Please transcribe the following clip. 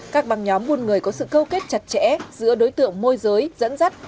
các băng nhóm buôn người có sự câu kết chặt chẽ giữa đối tượng môi giới dẫn dắt